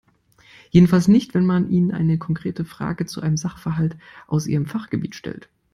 Jedenfalls nicht, wenn man ihnen eine konkrete Frage zu einem Sachverhalt aus ihrem Fachgebiet stellt.